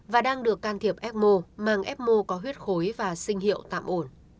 và đang được can thiệp ecmo mang epmo có huyết khối và sinh hiệu tạm ổn